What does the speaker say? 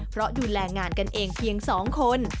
เพราะดูแลงานกันเองเพียง๒คน